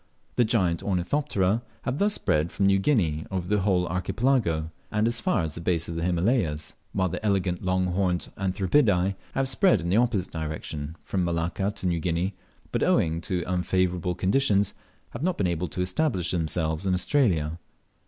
The giant Ornithopterae have thus spread from New Guinea over the whole Archipelago, and as far as the base of the Himalayas; while the elegant long horned Anthribidae have spread in the opposite direction from Malacca to New Guinea, but owing to unfavourable conditions have not been able to establish themselves in Australia.